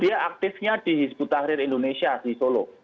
dia aktifnya di hizbut tahrir indonesia di solo